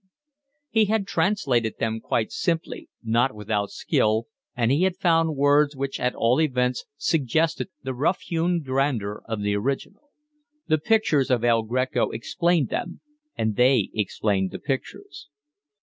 He had translated them quite simply, not without skill, and he had found words which at all events suggested the rough hewn grandeur of the original. The pictures of El Greco explained them, and they explained the pictures.